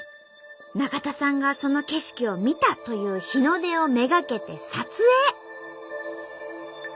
中田さんがその景色を見たという日の出をめがけて撮影。